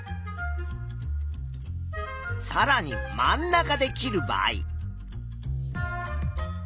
さらに真ん中で切る場合。